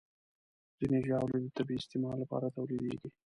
ځینې ژاولې د طبي استعمال لپاره تولیدېږي.